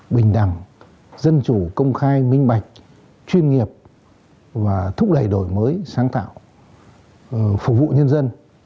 bình đẳng dân chủ công khai minh bạch chuyên nghiệp và thúc đẩy đổi mới sáng tạo phục vụ nhân dân